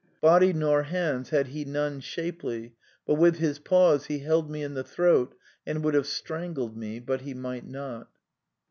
Body nor hands had he none shapely, but with his paws he held me in the throat, and would have strangled me, but he might not."